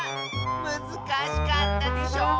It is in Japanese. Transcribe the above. むずかしかったでしょう？